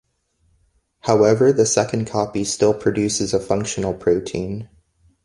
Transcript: However, the second copy still produces a functional protein.